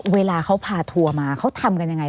เวลาเขาพาทัวร์มาเขาทำกันยังไง